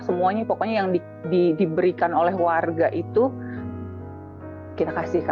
semuanya pokoknya yang diberikan oleh warga itu kita kasih